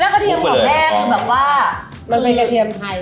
กะเทียมของแม่มรู้จักว่า